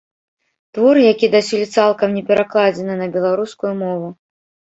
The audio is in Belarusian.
Твор, які дасюль цалкам не перакладзены на беларускую мову.